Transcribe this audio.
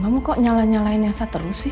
kamu kok nyalah nyalahin elsa terus sih